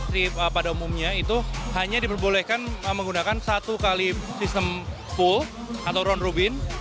di jakarta kejuaraan bola basket tiga lawan tiga diperbolehkan menggunakan satu kali sistem pull atau round robin